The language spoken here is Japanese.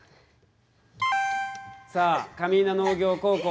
さあ上伊那農業高校。